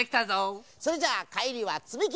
それじゃあかえりはつみき